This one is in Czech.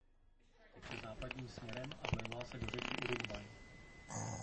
Teče západním směrem a vlévá se do řeky Uruguay.